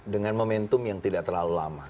dengan momentum yang tidak terlalu lama